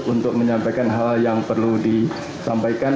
untuk menyampaikan hal hal yang perlu disampaikan